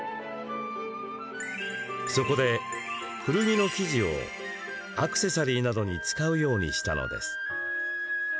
そこで古着の生地をアクセサリーなどに使うようにしたのです。